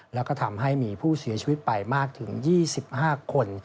แล้วก็ทำให้มีผู้เสียชีวิตไปมากถึง๒๕คน